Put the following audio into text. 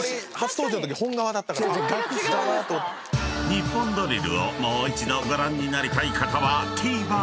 ［『ニッポンドリル』をもう一度ご覧になりたい方はＴＶｅｒで］